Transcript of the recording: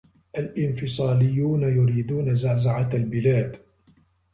الإنفصاليون يريدون زعزعة البلاد.